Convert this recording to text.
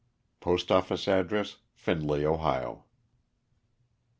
Post oflace address, Findlay, Ohio.